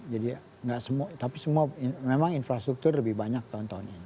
jadi enggak semua tapi semua memang infrastruktur lebih banyak tahun tahun ini